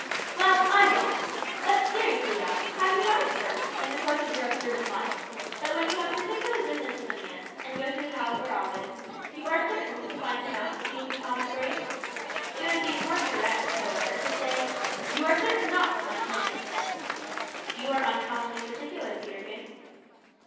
"Well, I won't. But seriously, Ralph, have you not observed, in the course of your observant life, that when you have particular business with a man, and go to his house or office, you are certain to find him out, to use the common phrase? It would be more correct, however, to say `you are certain not to find him in.'" "You are uncommonly particular, Peterkin."